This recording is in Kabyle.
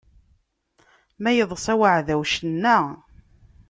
Ma iḍsa uɛdaw, cenna!